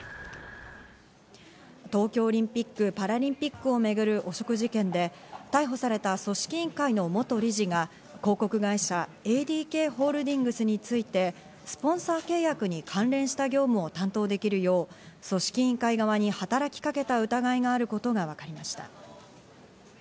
東京オリンピック・パラリンピックを巡る汚職事件で、逮捕された組織委員会の元理事が、広告会社、ＡＤＫホールディングスについて、スポンサー契約に関連した業務を担当できるよう、組織委員会側に働きかけた疑いがあることがわかりました。